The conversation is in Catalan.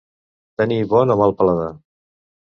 Tenir bon o mal paladar.